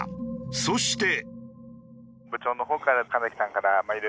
そして。